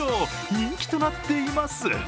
人気となっています。